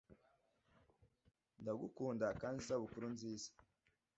ndagukunda kandi isabukuru nziza